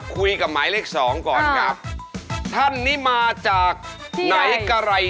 ก้าวออกมาครับ